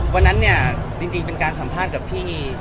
วันนั้นเนี่ยจริงเป็นการสัมภาษณ์กับพี่